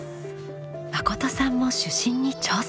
まことさんも主審に挑戦！